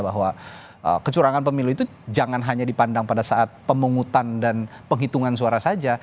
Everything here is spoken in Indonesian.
bahwa kecurangan pemilu itu jangan hanya dipandang pada saat pemungutan dan penghitungan suara saja